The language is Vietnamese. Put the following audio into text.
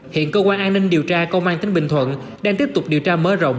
hiện cơ quan an ninh điều tra công an tỉnh bình thuận đang tiếp tục điều tra mở rộng